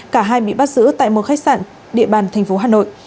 cả hai bị bắt giữ tại một khách sạn địa bàn thành phố hà nội